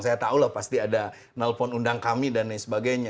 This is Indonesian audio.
saya tahu lah pasti ada nelpon undang kami dan lain sebagainya